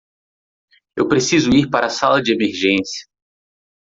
Eu preciso ir para a sala de emergência.